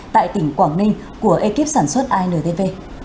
tại tỉnh quảng ninh của ekip sản xuất intv